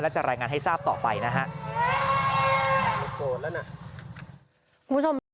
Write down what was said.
จะรายงานให้ทราบต่อไปนะฮะ